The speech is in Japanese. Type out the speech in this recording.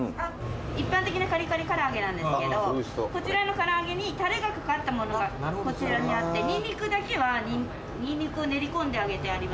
一般的なカリカリからあげなんですけどこちらの唐揚げにタレが掛かったものがこちらにあってニンニクだけはニンニクを練り込んで揚げてあります。